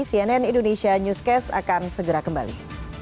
cnn indonesia newscast akan segera kembali